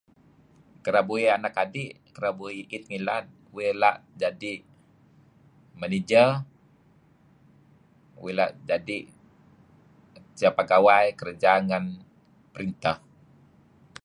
Kereb uih anak adi' kereb uih iit ngild uih ela' jadi' manager, uih ela' jadi' ecah pegawai kerja ngen printeh.